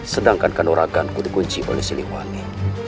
sedangkan kanuraganku dikunci oleh siliwangi